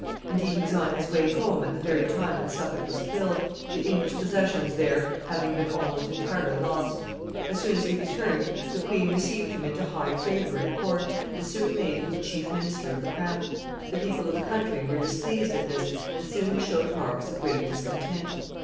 Indeed, he was on his way home at the very time that Suffolk was killed, the English possessions there having been almost entirely lost. As soon as he returned, the queen received him into high favor at court, and soon made him the chief minister of the crown. The people of the country were displeased at this, and soon showed marks of great discontent.